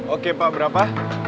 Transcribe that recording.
oke pak berapa